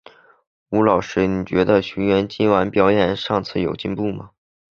吴老师，你觉得学员今晚的表演比上次有进步吗？